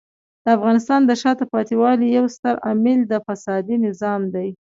د افغانستان د شاته پاتې والي یو ستر عامل د فسادي نظام دی.